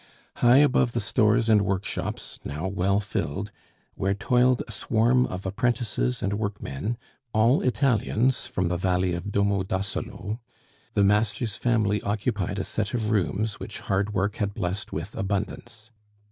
High above the stores and workshops, now well filled, where toiled a swarm of apprentices and workmen all Italians from the valley of Domo d'Ossola the master's family occupied a set of rooms, which hard work had blessed with abundance.